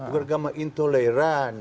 bukan agama intoleran